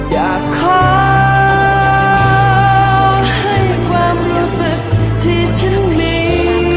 อยากขอให้ความรู้สึกที่ฉันมี